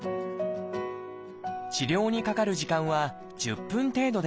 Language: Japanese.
治療にかかる時間は１０分程度です。